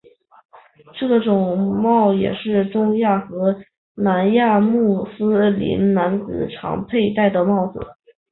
这种帽也是中亚和南亚穆斯林男子常佩戴的帽子。